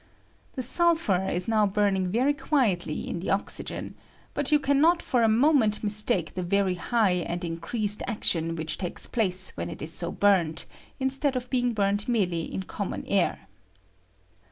The sulphur is now burning veiy quietly in the I ^S oxygen ; bnt yon can not for a moment mistake the very high and mcreased action which takes place when it is so burnt, instead of being burnt merely in common air.